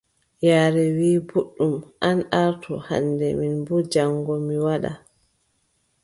Yaare wii: booɗɗum an artu hannde, min boo jaŋgo mi waɗa.